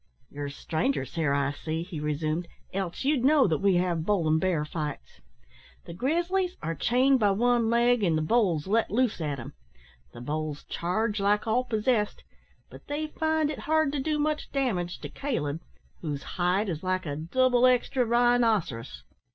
"You're strangers here, I see," he resumed, "else you'd know that we have bull and bear fights. The grizzlies are chained by one leg and the bulls let loose at 'em. The bulls charge like all possessed, but they find it hard to do much damage to Caleb, whose hide is like a double extra rhinoceros.